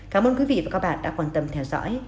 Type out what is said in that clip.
cảm ơn quý vị và các bạn đã quan tâm theo dõi